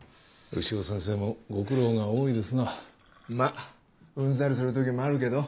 潮先生もご苦労が多いですなまぁうんざりする時もあるけど